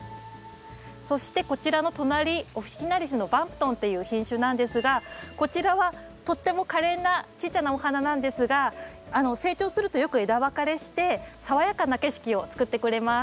そしてこちらの隣オフィキナリスのバンプトンという品種なんですがこちらはとってもかれんなちっちゃなお花なんですが成長するとよく枝分かれして爽やかな景色を作ってくれます。